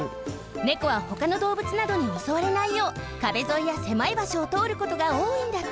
猫はほかのどうぶつなどにおそわれないよう壁沿いや狭い場所をとおることがおおいんだって。